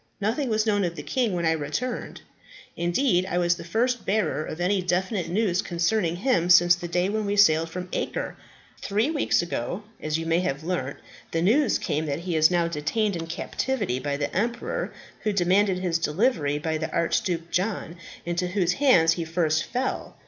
Nothing was known of the king when I returned. Indeed, I was the first bearer of any definite news concerning him since the day when he sailed from Acre. Three weeks ago, as you may have learnt, the news came that he is now detained in captivity by the emperor who demanded his delivery by the Archduke John, into whose hands he first fell.